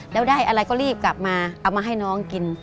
แล้วได้อะไรก็รีบกลับมาเอามาให้น้องกิน